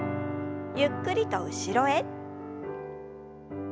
ゆっくりと後ろへ。